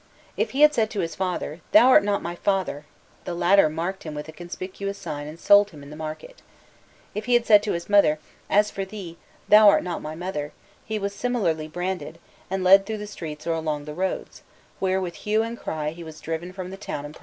If he had said to his father, "Thou art not my father!" the latter marked him with a conspicuous sign and sold him in the market. If he had said to his mother, "As for thee, thou art not my mother!" he was similarly branded, and led through the streets or along the roads, where with hue and cry he was driven from the town and province.